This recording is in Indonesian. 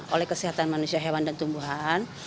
oleh kesehatan manusia hewan dan tumbuhan